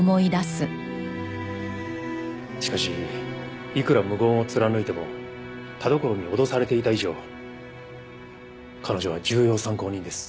しかしいくら無言を貫いても田所に脅されていた以上彼女は重要参考人です。